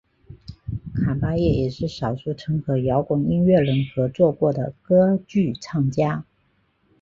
卡芭叶也是少数曾和摇滚音乐人合作过的歌剧唱家。